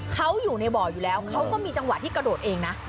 เขาอยู่ในบ่ออยู่แล้วเขาก็มีจังหวะที่กระโดดเองนะ